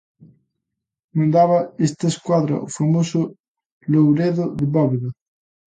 Mandaba esta escuadra o famoso Louredo de Bóveda.